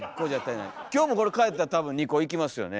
今日もこれ帰ったら多分２個いきますよね？